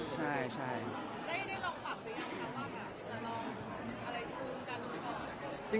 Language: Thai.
ใช่ใช่